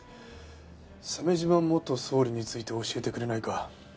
鮫島元総理について教えてくれないか？